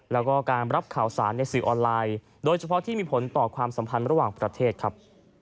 แล้วก็การรับข่าวสารในสื่อออนไลน์โดยเฉพาะที่มีผลต่อความสัมพันธ์ระหว่างประเทศครับ